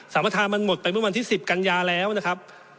ประธานมันหมดไปเมื่อวันที่๑๐กันยาแล้วนะครับ